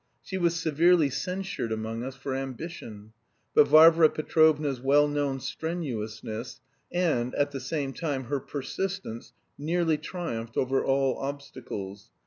She was severely censured among us for ambition; but Varvara Petrovna's well known strenuousness and, at the same time, her persistence nearly triumphed over all obstacles.